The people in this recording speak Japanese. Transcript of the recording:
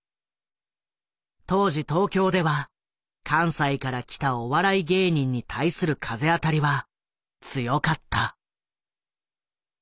当時東京では関西から来たお笑い芸人に対する風当たりは強かった。